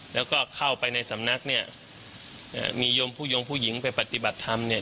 แล้วก็เข้าไปในสำนักเนี่ยมีโยมผู้ยงผู้หญิงไปปฏิบัติธรรมเนี่ย